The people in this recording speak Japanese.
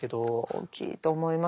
大きいと思います。